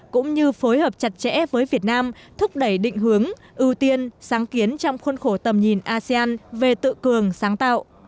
cũng như phối hợp chặt chẽ với việt nam thúc đẩy định hướng ưu tiên sáng kiến trong khuôn khổ tầm nhìn asean về tự cường sáng tạo